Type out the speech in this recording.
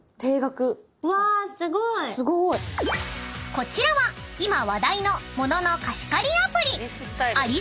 ［こちらは今話題の］